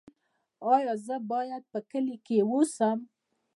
ایا زه باید په کلي کې اوسم؟